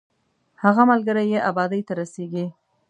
هغه ملګری یې ابادۍ ته رسېږي.